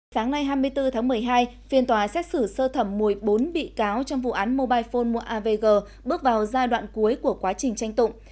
sáng nay hai mươi bốn tháng một mươi hai phiên tòa xét xử sơ thẩm mùi bốn bị cáo trong vụ án mobile phone mua avg bước vào giai đoạn cuối của quá trình tranh tụng